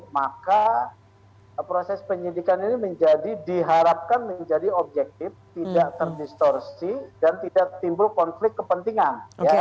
maka proses penyidikan ini menjadi diharapkan menjadi objektif tidak terdistorsi dan tidak timbul konflik kepentingan